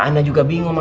ya mak juga bingung mak